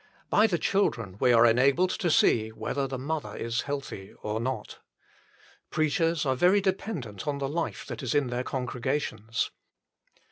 By the children we are enabled to see whether the mother is healthy or not. Preachers are very dependent on the life that is in their HOW LITTLE IT IS ENJOYED 59 congregations.